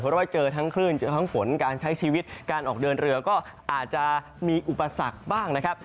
เพราะว่าเจอทั้งคลื่นเจอทั้งฝนการใช้ชีวิตการออกเดินเรือก็อาจจะมีอุปสรรคบ้างนะครับ